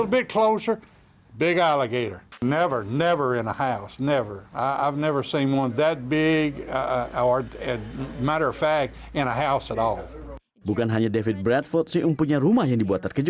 bukan hanya david bradford sih umpunya rumah yang dibuat terkejut